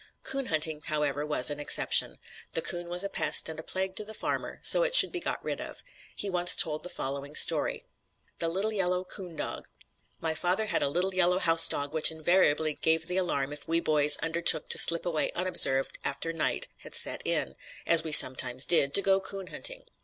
Coon hunting, however, was an exception. The coon was a pest and a plague to the farmer, so it should be got rid of. He once told the following story: THE LITTLE YELLOW "COON DOG" "My father had a little yellow house dog which invariably gave the alarm if we boys undertook to slip away unobserved after night had set in as we sometimes did to go coon hunting.